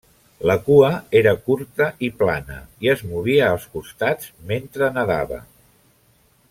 La cua era curta i plana, i es movia als costats mentre nedava.